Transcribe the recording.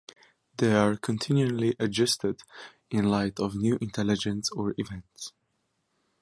They are continually adjusted in light of new intelligence or events.